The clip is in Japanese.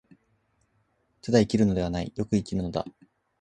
ただ生きるのではない、善く生きるのだ。